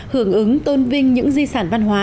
hưởng ứng tôn vinh những di sản văn hóa